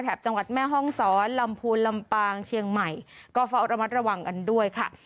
จังหวัดแม่ห้องศรลำพูนลำปางเชียงใหม่ก็เฝ้าระมัดระวังกันด้วยค่ะ